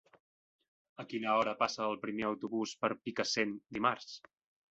A quina hora passa el primer autobús per Picassent dimarts?